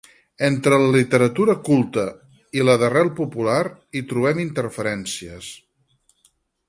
Entre la literatura «culta» i la d’arrel popular hi trobem interferències.